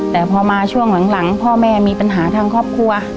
แต่พอมาช่วงหลังพ่อแม่มีปัญหาทางครอบครัว